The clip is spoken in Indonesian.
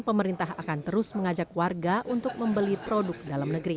pemerintah akan terus mengajak warga untuk membeli produk dalam negeri